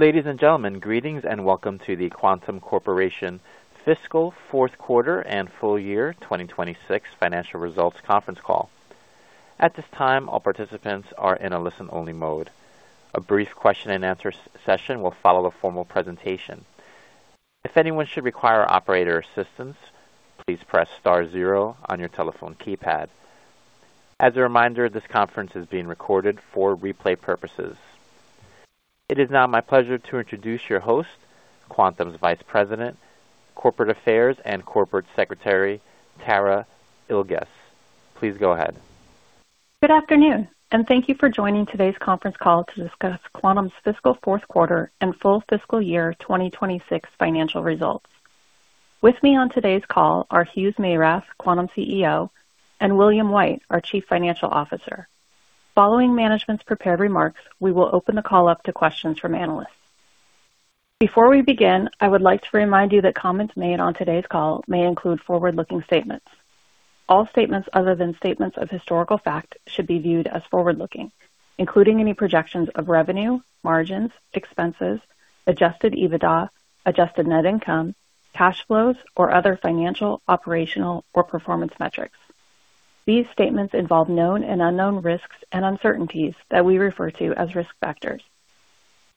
Ladies and gentlemen, greetings and welcome to the Quantum Corporation fiscal fourth quarter and full year 2026 financial results conference call. At this time, all participants are in a listen-only mode. A brief question-and-answer session will follow the formal presentation. If anyone should require operator assistance, please press star zero on your telephone keypad. As a reminder, this conference is being recorded for replay purposes. It is now my pleasure to introduce your host, Quantum's Vice President, Corporate Affairs and Corporate Secretary, Tara Ilges. Please go ahead. Good afternoon and thank you for joining today's conference call to discuss Quantum's fiscal fourth quarter and full fiscal year 2026 financial results. With me on today's call are Hugues Meyrath, Quantum CEO, and William White, our Chief Financial Officer. Following management's prepared remarks, we will open the call up to questions from analysts. Before we begin, I would like to remind you that comments made on today's call may include forward-looking statements. All statements other than statements of historical fact should be viewed as forward-looking, including any projections of revenue, margins, expenses, Adjusted EBITDA, adjusted net income, cash flows, or other financial, operational, or performance metrics. These statements involve known and unknown risks and uncertainties that we refer to as risk factors.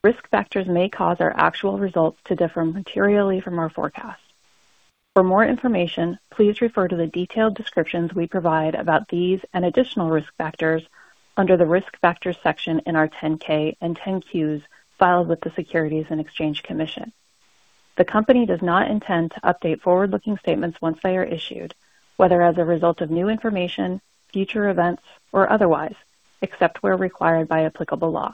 Risk factors may cause our actual results to differ materially from our forecast. For more information, please refer to the detailed descriptions we provide about these and additional risk factors under the Risk Factors section in our 10-K and 10-Q filed with the Securities and Exchange Commission. The company does not intend to update forward-looking statements once they are issued, whether as a result of new information, future events, or otherwise, except where required by applicable law.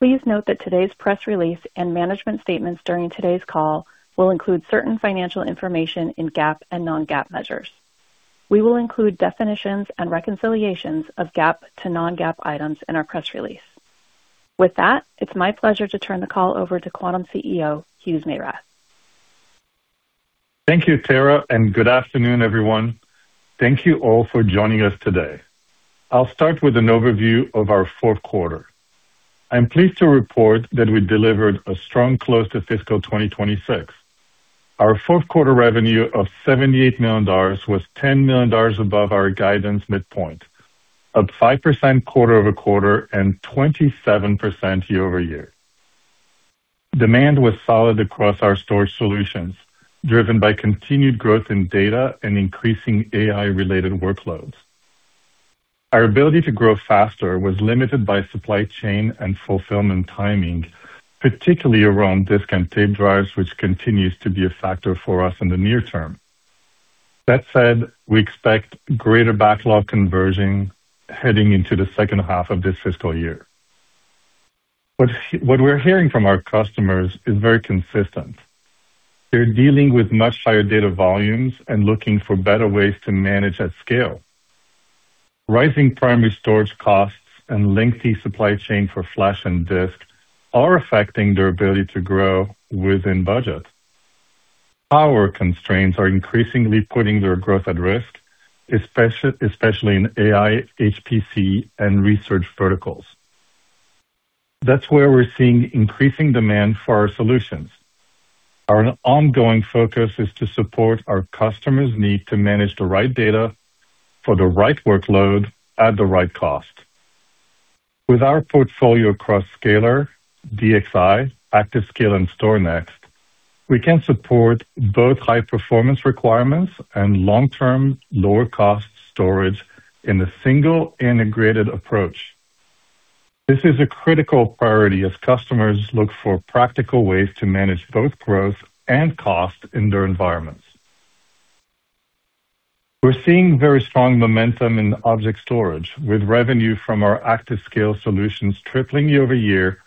Please note that today's press release and management statements during today's call will include certain financial information in GAAP and non-GAAP measures. We will include definitions and reconciliations of GAAP to non-GAAP items in our press release. With that, it's my pleasure to turn the call over to Quantum CEO, Hugues Meyrath. Thank you, Tara, good afternoon, everyone. Thank you all for joining us today. I'll start with an overview of our fourth quarter. I'm pleased to report that we delivered a strong close to fiscal 2026. Our fourth quarter revenue of $78 million was $10 million above our guidance midpoint, up 5% quarter-over-quarter and 27% year-over-year. Demand was solid across our storage solutions, driven by continued growth in data and increasing AI-related workloads. Our ability to grow faster was limited by supply chain and fulfillment timing, particularly around disk and tape drives, which continues to be a factor for us in the near term. That said, we expect greater backlog conversion heading into the second half of this fiscal year. What we're hearing from our customers is very consistent. They're dealing with much higher data volumes and looking for better ways to manage at scale. Rising primary storage costs and lengthy supply chain for flash and disk are affecting their ability to grow within budget. Power constraints are increasingly putting their growth at risk, especially in AI, HPC, and research verticals. That's where we're seeing increasing demand for our solutions. Our ongoing focus is to support our customers' need to manage the right data for the right workload at the right cost. With our portfolio across Scalar, DXi, ActiveScale, and StorNext, we can support both high-performance requirements and long-term lower cost storage in a single integrated approach. This is a critical priority as customers look for practical ways to manage both growth and cost in their environments. We're seeing very strong momentum in object storage with revenue from our ActiveScale solutions tripling year-over-year,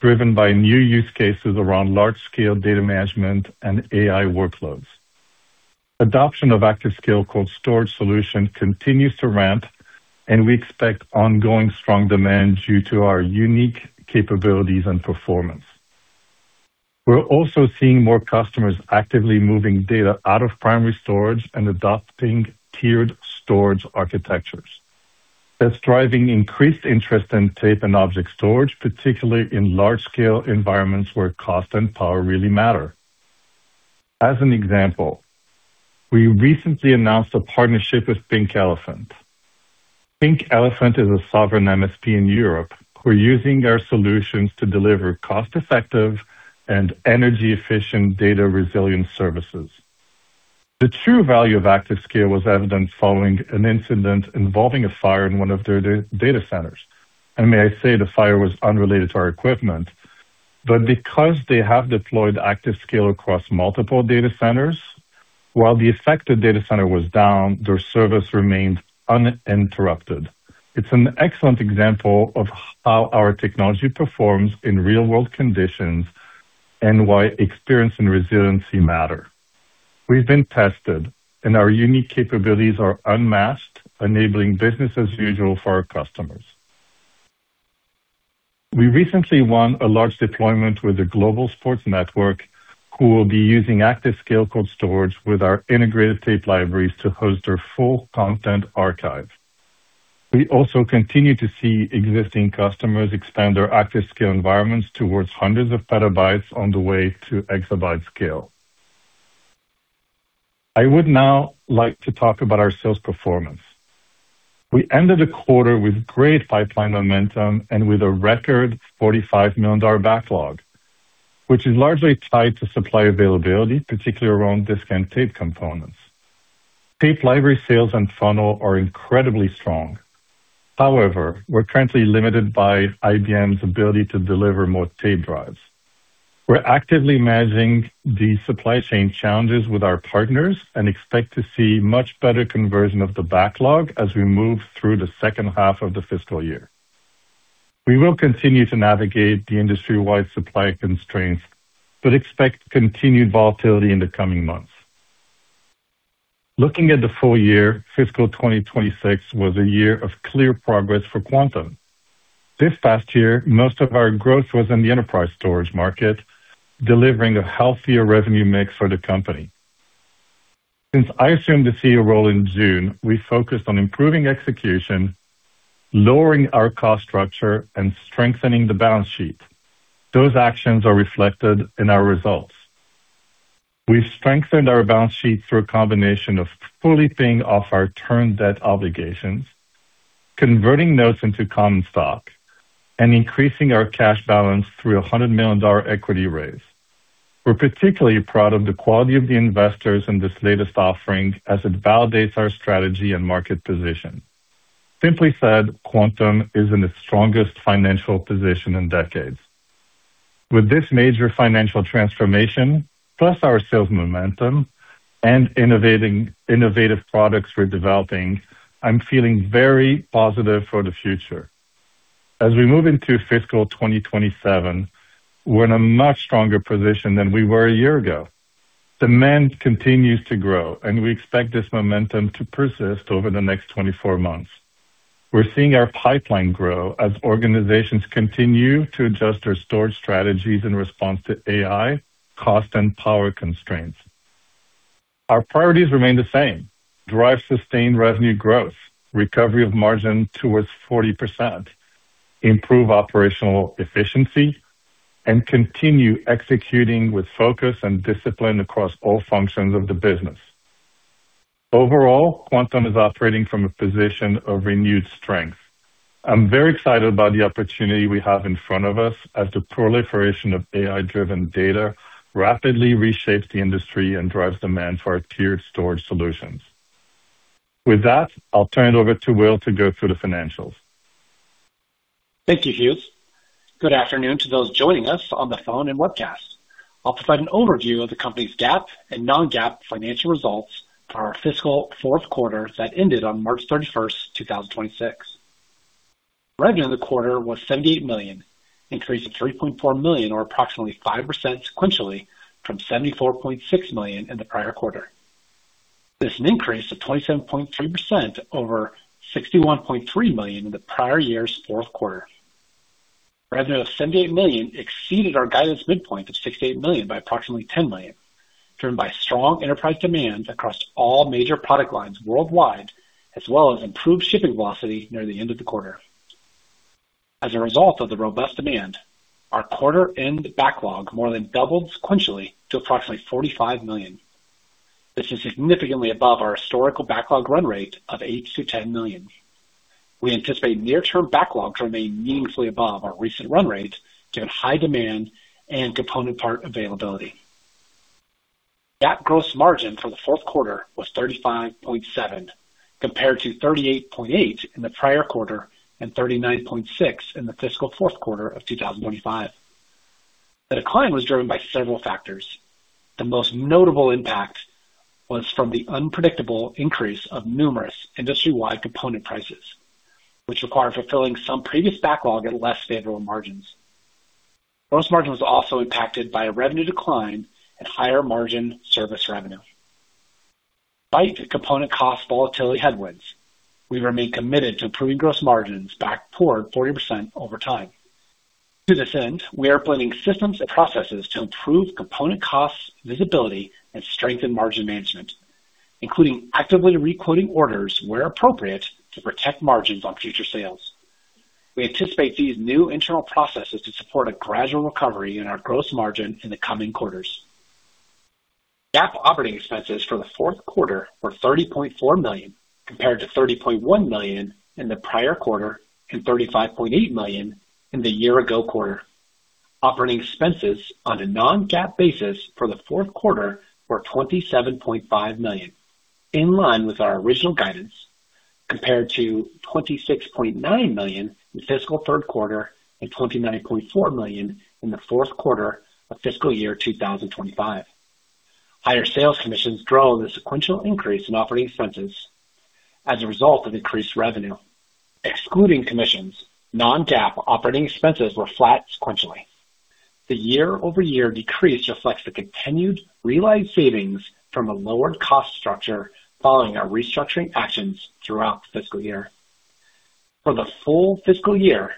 driven by new use cases around large-scale data management and AI workloads. Adoption of ActiveScale Cold Storage solution continues to ramp, and we expect ongoing strong demand due to our unique capabilities and performance. We're also seeing more customers actively moving data out of primary storage and adopting tiered storage architectures. That's driving increased interest in tape and object storage, particularly in large-scale environments where cost and power really matter. As an example, we recently announced a partnership with Pink Elephant. Pink Elephant is a sovereign MSP in Europe who are using our solutions to deliver cost-effective and energy-efficient data resilience services. The true value of ActiveScale was evident following an incident involving a fire in one of their data centers. May I say, the fire was unrelated to our equipment. Because they have deployed ActiveScale across multiple data centers, while the affected data center was down, their service remained uninterrupted. It's an excellent example of how our technology performs in real-world conditions and why experience and resiliency matter. We've been tested, and our unique capabilities are unmasked, enabling business as usual for our customers. We recently won a large deployment with a global sports network who will be using ActiveScale Cold Storage with our integrated tape libraries to host their full content archive. We also continue to see existing customers expand their ActiveScale environments towards hundreds of petabytes on the way to exabyte scale. I would now like to talk about our sales performance. We ended the quarter with great pipeline momentum and with a record $45 million backlog, which is largely tied to supply availability, particularly around disk and tape components. Tape library sales and funnel are incredibly strong, however, we're currently limited by IBM's ability to deliver more tape drives. We're actively managing the supply chain challenges with our partners and expect to see much better conversion of the backlog as we move through the second half of the fiscal year. We will continue to navigate the industry-wide supply constraints, but expect continued volatility in the coming months. Looking at the full year, fiscal 2026 was a year of clear progress for Quantum. This past year, most of our growth was in the enterprise storage market, delivering a healthier revenue mix for the company. Since I assumed the CEO role in June, we focused on improving execution, lowering our cost structure, and strengthening the balance sheet. Those actions are reflected in our results. We've strengthened our balance sheet through a combination of fully paying off our term debt obligations, converting notes into common stock, and increasing our cash balance through a $100-million equity raise. We're particularly proud of the quality of the investors in this latest offering as it validates our strategy and market position. Simply said, Quantum is in its strongest financial position in decades. With this major financial transformation, plus our sales momentum and innovative products we're developing, I'm feeling very positive for the future. As we move into fiscal 2027, we're in a much stronger position than we were a year ago. Demand continues to grow, and we expect this momentum to persist over the next 24 months. We're seeing our pipeline grow as organizations continue to adjust their storage strategies in response to AI, cost, and power constraints. Our priorities remain the same: drive sustained revenue growth, recovery of margin towards 40%, improve operational efficiency, and continue executing with focus and discipline across all functions of the business. Overall, Quantum is operating from a position of renewed strength. I'm very excited about the opportunity we have in front of us as the proliferation of AI-driven data rapidly reshapes the industry and drives demand for our tiered storage solutions. With that, I'll turn it over to Will to go through the financials. Thank you, Hugues. Good afternoon to those joining us on the phone and webcast. I'll provide an overview of the company's GAAP and non-GAAP financial results for our fiscal fourth quarter that ended on March 31st, 2026. Revenue in the quarter was $78 million, an increase of $3.4 million or approximately 5% sequentially from $74.6 million in the prior quarter. This is an increase of 27.3% over $61.3 million in the prior year's fourth quarter. Revenue of $78 million exceeded our guidance midpoint of $68 million by approximately $10 million, driven by strong enterprise demand across all major product lines worldwide, as well as improved shipping velocity near the end of the quarter. As a result of the robust demand, our quarter-end backlog more than doubled sequentially to approximately $45 million. This is significantly above our historical backlog run rate of $8 million-$10 million. We anticipate near-term backlogs remain meaningfully above our recent run rates given high demand and component part availability. GAAP gross margin for the fourth quarter was 35.7%, compared to 38.8% in the prior quarter and 39.6% in the fiscal fourth quarter of 2025. The decline was driven by several factors. The most notable impact was from the unpredictable increase of numerous industry-wide component prices, which required fulfilling some previous backlog at less favorable margins. Gross margin was also impacted by a revenue decline and higher margin service revenue. Despite component cost volatility headwinds, we remain committed to improving gross margins back toward 40% over time. To this end, we are planning systems and processes to improve component cost visibility and strengthen margin management, including actively re-quoting orders where appropriate to protect margins on future sales. We anticipate these new internal processes to support a gradual recovery in our gross margin in the coming quarters. GAAP operating expenses for the fourth quarter were $30.4 million, compared to $30.1 million in the prior quarter and $35.8 million in the year-ago quarter. Operating expenses on a non-GAAP basis for the fourth quarter were $27.5 million, in line with our original guidance, compared to $26.9 million in fiscal third quarter and $29.4 million in the fourth quarter of fiscal year 2025. Higher sales commissions drove the sequential increase in operating expenses as a result of increased revenue. Excluding commissions, non-GAAP operating expenses were flat sequentially. The year-over-year decrease reflects the continued realized savings from a lowered cost structure following our restructuring actions throughout the fiscal year. For the full fiscal year,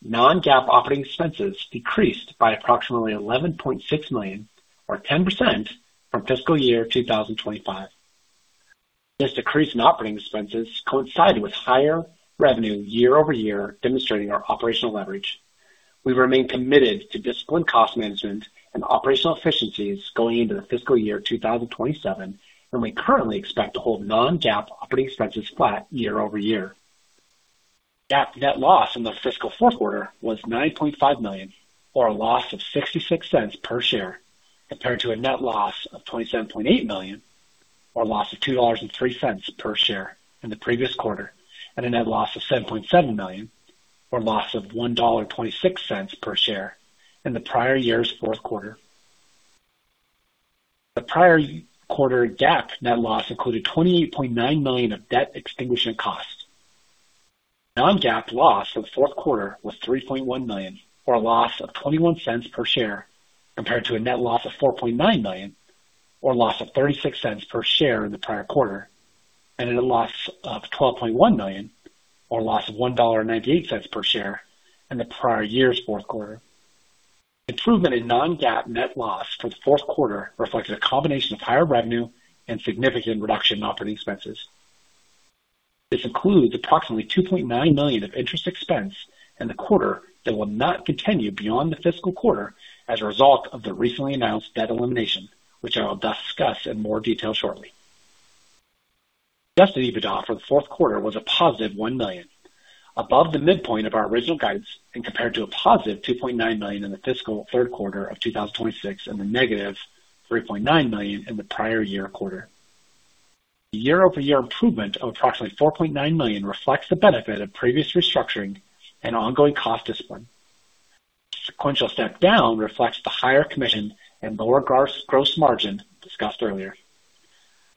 non-GAAP operating expenses decreased by approximately $11.6 million or 10% from fiscal year 2025. This decrease in operating expenses coincided with higher revenue year-over-year, demonstrating our operational leverage. We remain committed to disciplined cost management and operational efficiencies going into the fiscal year 2027, and we currently expect to hold non-GAAP operating expenses flat year-over-year. GAAP net loss in the fiscal fourth quarter was $9.5 million, or a loss of $0.66 per share, compared to a net loss of $27.8 million, or a loss of $2.03 per share in the previous quarter, and a net loss of $7.7 million, or a loss of $1.26 per share in the prior year's fourth quarter. The prior quarter GAAP net loss included $28.9 million of debt extinguishment costs. Non-GAAP loss for the fourth quarter was $3.1 million, or a loss of $0.21 per share, compared to a net loss of $4.9 million, or a loss of $0.36 per share in the prior quarter, and a net loss of $12.1 million, or a loss of $1.98 per share in the prior year's fourth quarter. Improvement in non-GAAP net loss for the fourth quarter reflected a combination of higher revenue and significant reduction in operating expenses. This includes approximately $2.9 million of interest expense in the quarter that will not continue beyond the fiscal quarter as a result of the recently announced debt elimination, which I will discuss in more detail shortly. Adjusted EBITDA for the fourth quarter was a +$1 million, above the midpoint of our original guidance and compared to a +$2.9 million in the fiscal third quarter of 2026 and a -$3.9 million in the prior year quarter. Year-over-year improvement of approximately $4.9 million reflects the benefit of previous restructuring and ongoing cost discipline. Sequential step down reflects the higher commission and lower gross margin discussed earlier.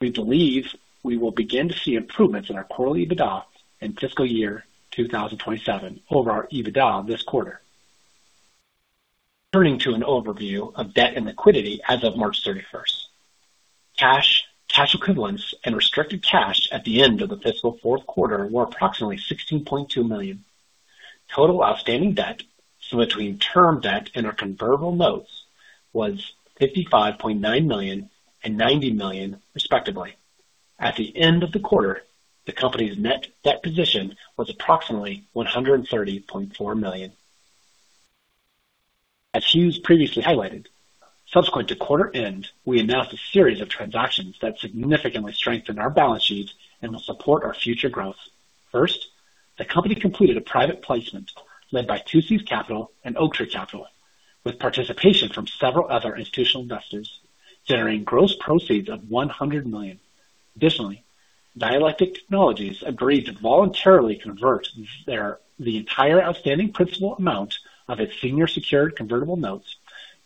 We believe we will begin to see improvements in our quarterly EBITDA in fiscal year 2027 over our EBITDA this quarter. Turning to an overview of debt and liquidity as of March 31st. Cash, cash equivalents, and restricted cash at the end of the fiscal fourth quarter were approximately $16.2 million. Total outstanding debt, so between term debt and our convertible notes, was $55.9 million and $90 million, respectively. At the end of the quarter, the company's net debt position was approximately $130.4 million. As Hugues previously highlighted, subsequent to quarter end, we announced a series of transactions that significantly strengthened our balance sheets and will support our future growth. First, the company completed a private placement led by Two Seas Capital and Oaktree Capital, with participation from several other institutional investors, generating gross proceeds of $100 million. Additionally, Dialectic Technology has agreed to voluntarily convert the entire outstanding principal amount of its senior secured convertible notes,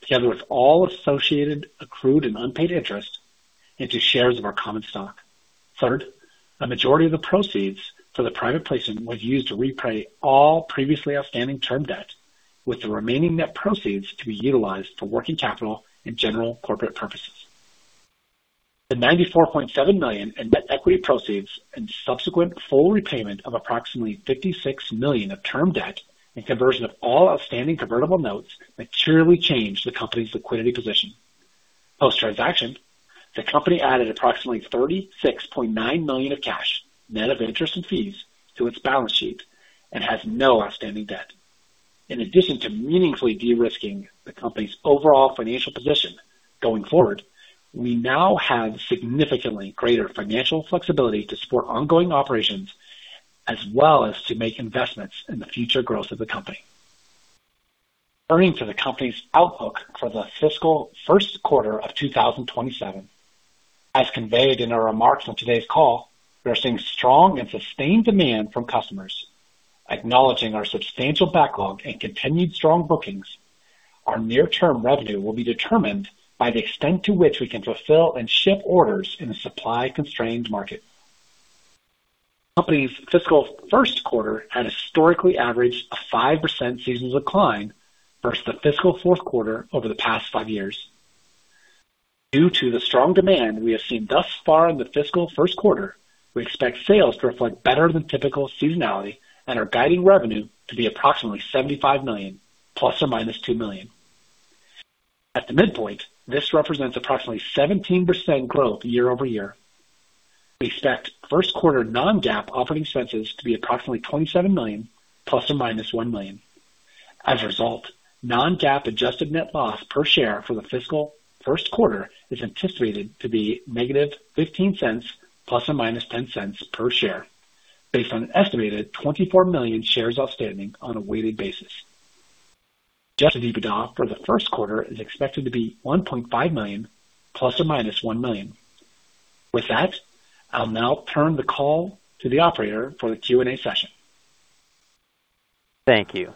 together with all associated accrued and unpaid interest, into shares of our common stock. Third, a majority of the proceeds for the private placement was used to repay all previously outstanding term debt, with the remaining net proceeds to be utilized for working capital and general corporate purposes. The $94.7 million in net equity proceeds and subsequent full repayment of approximately $56 million of term debt and conversion of all outstanding convertible notes materially changed the company's liquidity position. Post-transaction, the company added approximately $36.9 million of cash, net of interest and fees, to its balance sheet and has no outstanding debt. In addition to meaningfully de-risking the company's overall financial position going forward, we now have significantly greater financial flexibility to support ongoing operations as well as to make investments in the future growth of the company. Turning to the company's outlook for the fiscal first quarter of 2027. As conveyed in our remarks on today's call, we are seeing strong and sustained demand from customers. Acknowledging our substantial backlog and continued strong bookings, our near-term revenue will be determined by the extent to which we can fulfill and ship orders in a supply-constrained market. The company's fiscal first quarter had historically averaged a 5% seasonal decline versus the fiscal fourth quarter over the past five years. Due to the strong demand we have seen thus far in the fiscal first quarter, we expect sales to reflect better than typical seasonality and are guiding revenue to be approximately $75 million ± $2 million. At the midpoint, this represents approximately 17% growth year-over-year. We expect first quarter non-GAAP operating expenses to be approximately $27 million ± $1 million. As a result, non-GAAP adjusted net loss per share for the fiscal first quarter is anticipated to be negative $0.15 ± $0.10 per share, based on an estimated 24 million shares outstanding on a weighted basis. Adjusted EBITDA for the first quarter is expected to be $1.5 million ± $1 million. With that, I'll now turn the call to the operator for the Q&A session. Thank you.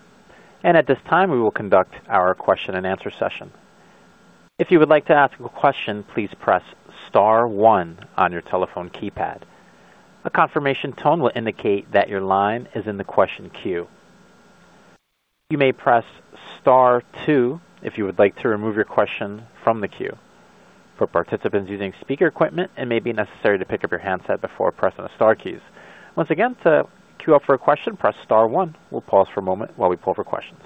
At this time, we will conduct our question-and-answer session. If you would like to ask a question, please press star one on your telephone keypad. A confirmation tone will indicate that your line is in the question queue. You may press star two if you would like to remove your question from the queue. For participants using speaker equipment, it may be necessary to pick up your handset before pressing the star keys. Once again, to queue up for a question, press star one. We will pause for a moment while we pull for questions.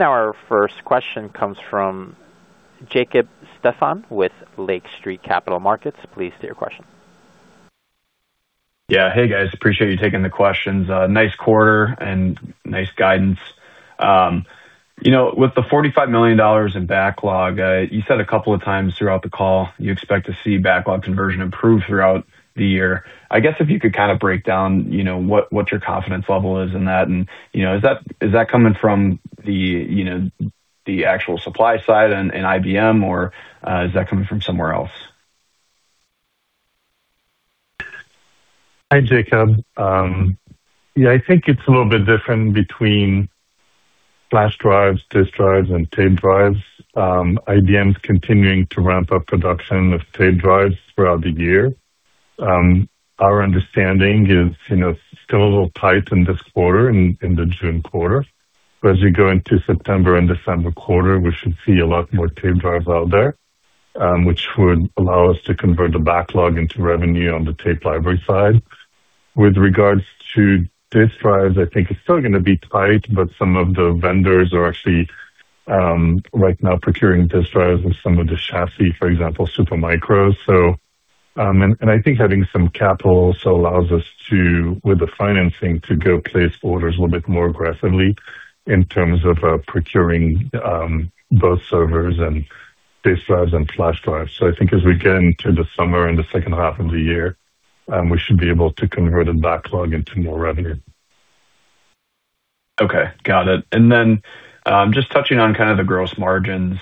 Our first question comes from Jacob Stephan with Lake Street Capital Markets. Please state your question. Hey, guys. Appreciate you taking the questions. Nice quarter and nice guidance. With the $45 million in backlog, you said a couple of times throughout the call you expect to see backlog conversion improve throughout the year. I guess if you could kind of break down what your confidence level is in that, and is that coming from the actual supply side in IBM, or is that coming from somewhere else? Hi, Jacob. I think it's a little bit different between flash drives, disk drives, and tape drives. IBM's continuing to ramp up production of tape drives throughout the year. Our understanding is it's still a little tight in this quarter, in the June quarter. As we go into September and December quarter, we should see a lot more tape drives out there, which would allow us to convert the backlog into revenue on the tape library side. With regards to disk drives, I think it's still going to be tight, but some of the vendors are actually right now procuring disk drives with some of the chassis, for example, Supermicro. I think having some capital also allows us to, with the financing, to go place orders a little bit more aggressively in terms of procuring both servers and disk drives and flash drives. I think as we get into the summer and the second half of the year, we should be able to convert the backlog into more revenue. Got it. Just touching on kind of the gross margins.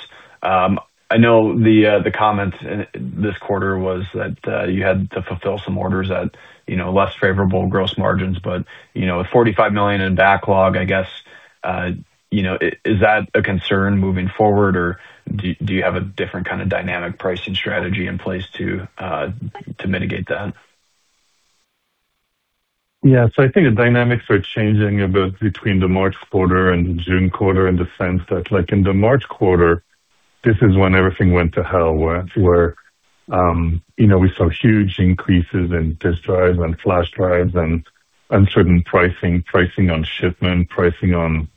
I know the comments this quarter was that you had to fulfill some orders at less favorable gross margins, with $45 million in backlog. Is that a concern moving forward, or do you have a different kind of dynamic pricing strategy in place to mitigate that? I think the dynamics are changing a bit between the March quarter and the June quarter in the sense that, like in the March quarter, this is when everything went to hell, where we saw huge increases in disk drives and flash drives and uncertain pricing - pricing on shipment, pricing on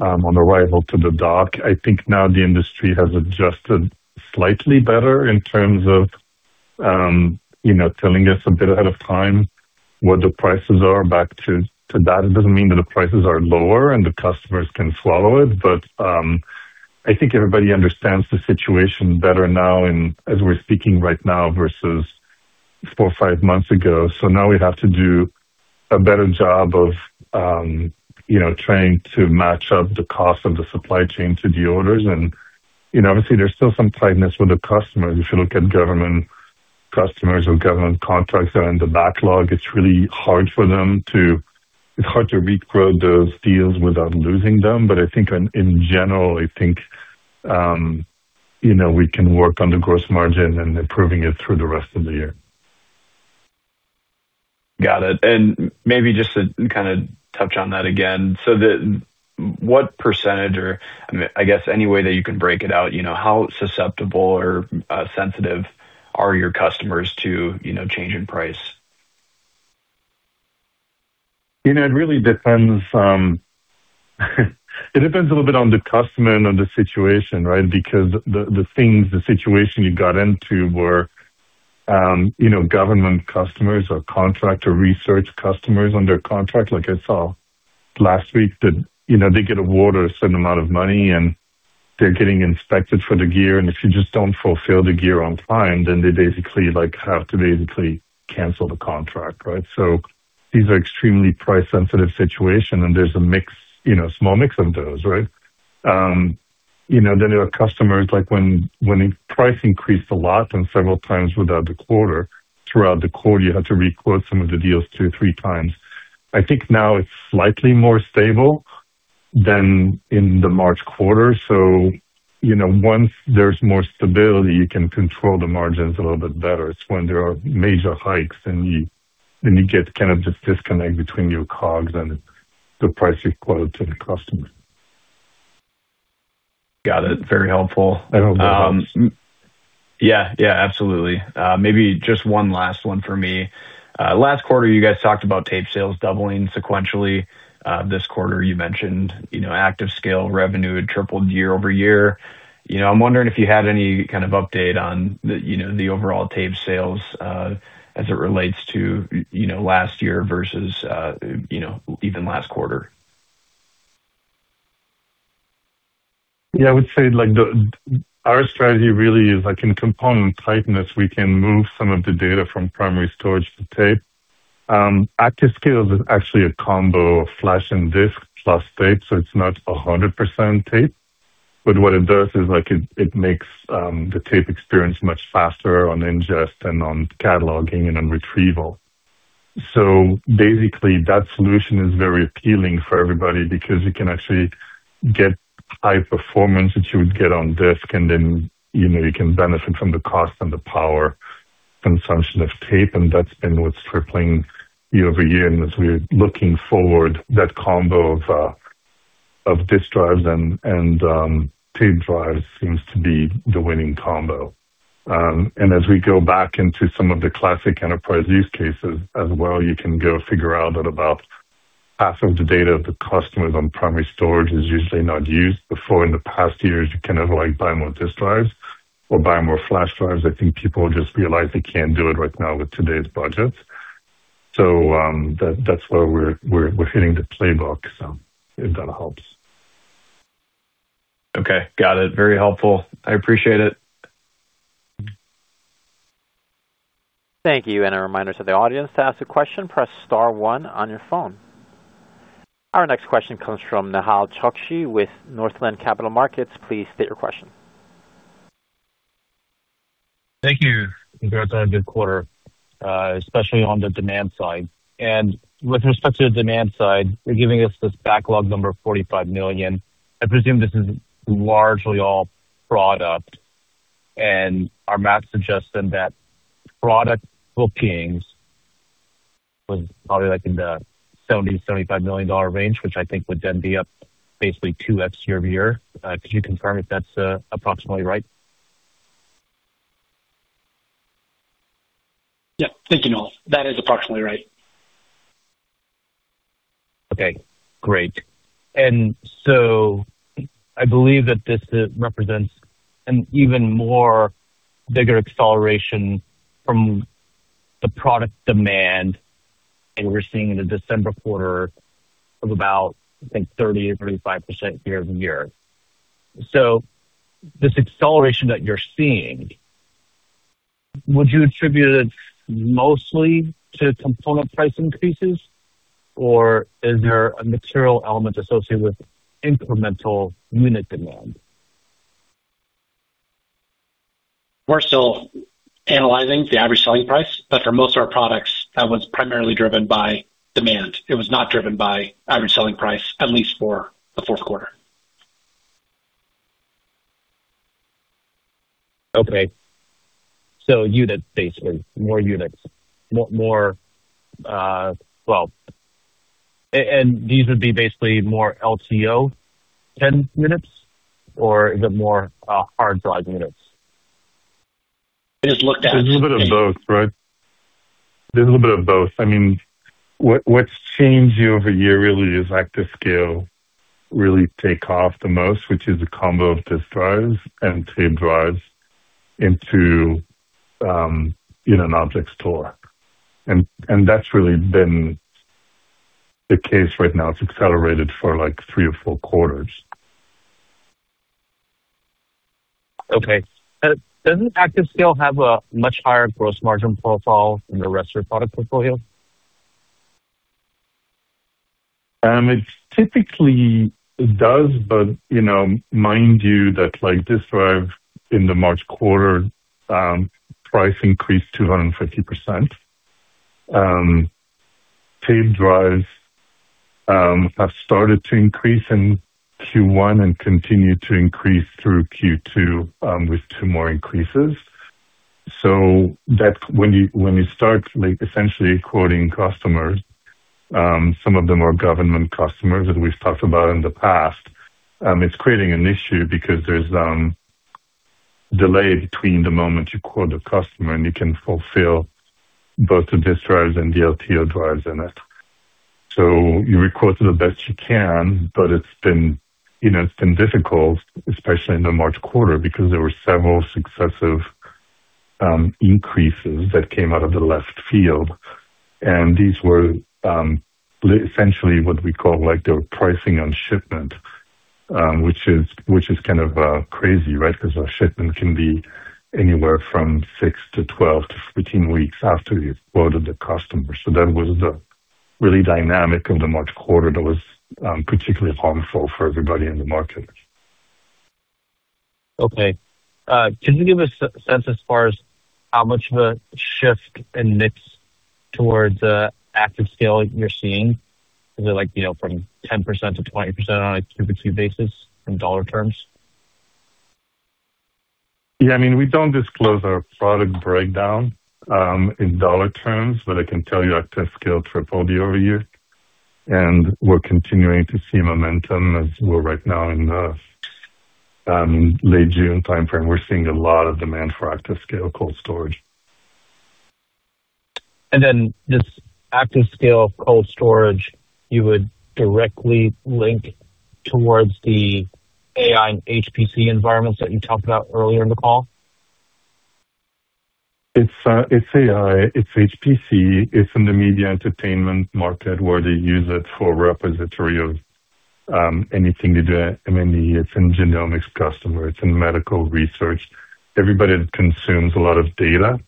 arrival to the dock. I think now the industry has adjusted slightly better in terms of telling us a bit ahead of time what the prices are back to that. It doesn't mean that the prices are lower, and the customers can swallow it. I think everybody understands the situation better now as we're speaking right now versus four or five months ago. Now, we have to do a better job of trying to match up the cost of the supply chain to the orders. Obviously, there's still some tightness with the customers. If you look at government customers or government contracts that are in the backlog, it's hard to re-quote those deals without losing them. In general, I think we can work on the gross margin and improving it through the rest of the year. Got it. Maybe just to kind of touch on that again. What percentage or any way that you can break it out, how susceptible or sensitive are your customers to change in price? It really depends a little bit on the customer and on the situation, because the situation you got into were government customers or contract or research customers under contract. Like I saw last week that they get awarded a certain amount of money, and they're getting inspected for the gear, and if you just don't fulfill the gear on time, then they basically have to cancel the contract. These are extremely price-sensitive situation, and there's a small mix of those. Then there are customers like when price increased a lot and several times throughout the quarter, you had to re-quote some of the deals two or three times. I think now it's slightly more stable than in the March quarter. Once there's more stability, you can control the margins a little bit better. It's when there are major hikes, you get kind of this disconnect between your COGS and the price you quote to the customer. Got it. Very helpful. I hope that helps. Absolutely. Maybe just one last one for me. Last quarter, you guys talked about tape sales doubling sequentially. This quarter you mentioned ActiveScale revenue had tripled year-over-year. I'm wondering if you had any kind of update on the overall tape sales as it relates to last year versus even last quarter. I would say our strategy really is like in component tightness, we can move some of the data from primary storage to tape. ActiveScale is actually a combo of flash and disk plus tape, so it's not 100% tape. What it does is it makes the tape experience much faster on ingest and on cataloging and on retrieval. Basically, that solution is very appealing for everybody because you can actually get high performance that you would get on disk, and then you can benefit from the cost and the power consumption of tape, and that's been what's tripling year-over-year. As we're looking forward, that combo of disk drives and tape drives seems to be the winning combo. As we go back into some of the classic enterprise use cases as well, you can go figure out that about half of the data of the customers on primary storage is usually not used before. In the past years, you cannot buy more disk drives or buy more flash drives. I think people just realize they can't do it right now with today's budgets. That's where we're hitting the playbook. If that helps. Got it. Very helpful. I appreciate it. Thank you. A reminder to the audience, to ask a question, press star one on your phone. Our next question comes from Nehal Chokshi with Northland Capital Markets. Please state your question. Thank you. Congrats on a good quarter, especially on the demand side. With respect to the demand side, you're giving us this backlog number of $45 million. I presume this is largely all product. Our math suggests that product bookings was probably like in the $70 million-$75 million range, which I think would be up basically 2x year-over-year. Could you confirm if that's approximately right? Thank you, Nehal. That is approximately right. Great. I believe that this represents an even more bigger acceleration from the product demand than we're seeing in the December quarter of about, I think, 30% or 35% year-over-year. This acceleration that you're seeing, would you attribute it mostly to component price increases, or is there a material element associated with incremental unit demand? We're still analyzing the average selling price, but for most of our products, that one's primarily driven by demand. It was not driven by average selling price, at least for the fourth quarter. Units basically, more units. These would be basically more LTO-10 units or is it more hard drive units? It is looked at- There's a little bit of both. I mean, what's changed year-over-year really is ActiveScale really take off the most, which is a combo of disk drives and tape drives into an object storage. That's really been the case right now. It's accelerated for three or four quarters. Doesn't ActiveScale have a much higher gross margin profile than the rest of your product portfolio? It typically does, but mind you that this drive in the March quarter price increased 250%. Tape drives have started to increase in Q1 and continue to increase through Q2 with two more increases. When you start essentially quoting customers, some of them are government customers that we've talked about in the past, it's creating an issue because there's delay between the moment you quote a customer and you can fulfill both the disk drives and the LTO drives in it. You request it the best you can, but it's been difficult, especially in the March quarter because there were several successive increases that came out of the left field, and these were essentially what we call their pricing on shipment, which is kind of crazy. A shipment can be anywhere from 6 to 12 to 15 weeks after you've quoted the customer. That was the really dynamic of the March quarter that was particularly harmful for everybody in the market. Can you give a sense as far as how much of a shift in mix towards ActiveScale you're seeing? Is it from 10% to 20% on a quarter-over-quarter basis in dollar terms? We don't disclose our product breakdown, in dollar terms, but I can tell you ActiveScale tripled year-over-year, and we're continuing to see momentum as we're right now in the late June timeframe. We're seeing a lot of demand for ActiveScale Cold Storage. This ActiveScale Cold Storage you would directly link towards the AI and HPC environments that you talked about earlier in the call? It's AI, it's HPC, it's in the media entertainment market where they use it for repository of anything to do with M&E. It's in genomics customer, it's in medical research. Everybody consumes a lot of data,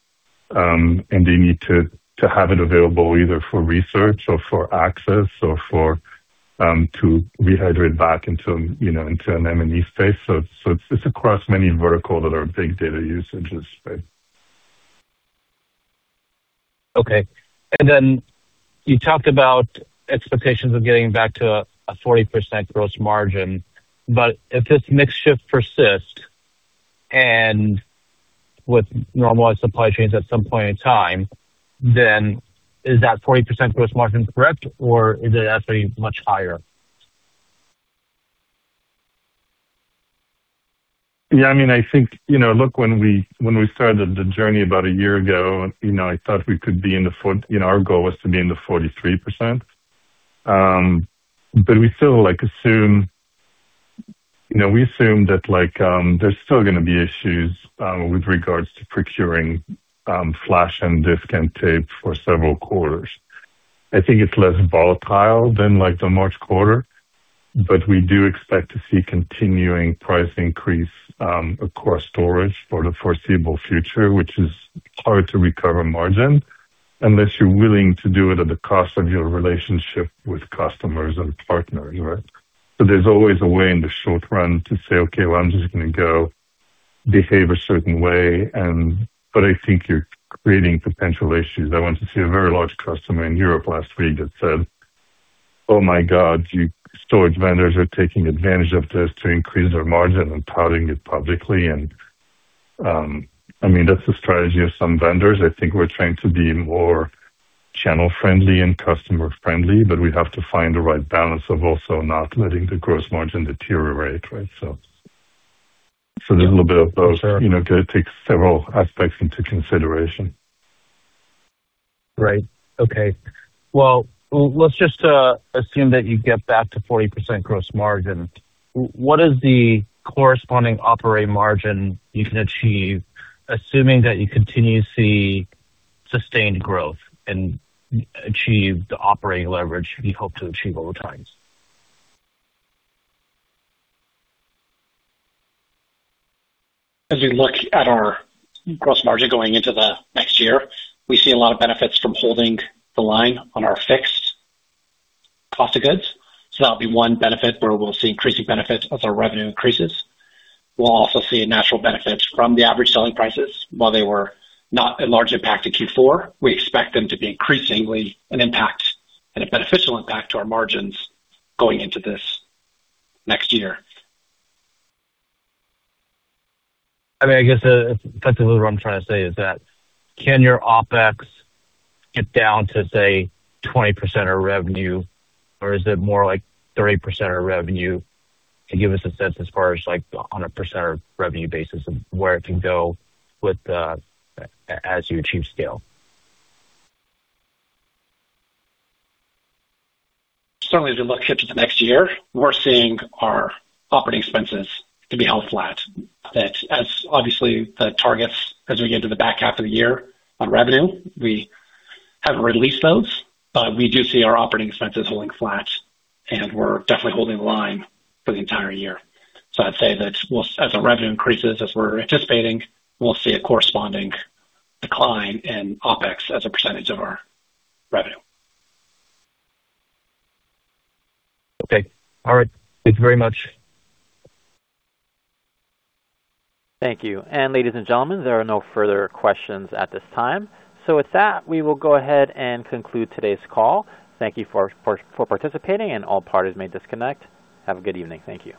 and they need to have it available either for research or for access or to rehydrate back into an M&E space. It's across many vertical that are big data usages space. You talked about expectations of getting back to a 40% gross margin. If this mix shift persists and with normalized supply chains at some point in time, is that 40% gross margin correct, or is it actually much higher? When we started the journey about a year ago, our goal was to be in the 43%. We still assume that there's still going to be issues with regards to procuring flash and disk and tape for several quarters. I think it's less volatile than the March quarter. We do expect to see continuing price increase across storage for the foreseeable future, which is hard to recover margin unless you're willing to do it at the cost of your relationship with customers and partners. There's always a way in the short run to say, okay, well, I'm just going to go behave a certain way, but I think you're creating potential issues. I went to see a very large customer in Europe last week that said, oh my god, you storage vendors are taking advantage of this to increase their margin and touting it publicly. That's the strategy of some vendors. I think we're trying to be more channel friendly and customer friendly. We have to find the right balance of also not letting the gross margin deteriorate. There's a little bit of both. Sure. We've got to take several aspects into consideration. Let's just assume that you get back to 40% gross margin. What is the corresponding operating margin you can achieve, assuming that you continue to see sustained growth and achieve the operating leverage you hope to achieve over time? As we look at our gross margin going into the next year, we see a lot of benefits from holding the line on our fixed cost of goods. That'll be one benefit where we'll see increasing benefits as our revenue increases. We'll also see natural benefits from the average selling prices. While they were not a large impact in Q4, we expect them to be increasingly an impact and a beneficial impact to our margins going into this next year. I guess effectively what I'm trying to say is that can your OpEx get down to, say, 20% of revenue, or is it more like 30% of revenue? To give us a sense as far as like on a percentage of revenue basis of where it can go as you achieve scale. Certainly as we look ahead to the next year, we're seeing our operating expenses to be held flat. That is obviously the targets as we get to the back half of the year on revenue, we haven't released those, but we do see our operating expenses holding flat, and we're definitely holding the line for the entire year. I'd say that as our revenue increases, as we're anticipating, we'll see a corresponding decline in OpEx as a percentage of our revenue. All right. Thanks very much. Thank you. Ladies and gentlemen, there are no further questions at this time. With that, we will go ahead and conclude today's call. Thank you for participating, and all parties may disconnect. Have a good evening. Thank you.